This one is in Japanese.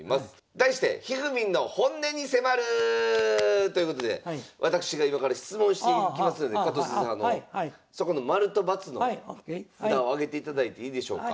題してということで私が今から質問していきますので加藤先生そこの○と×の札を上げていただいていいでしょうか。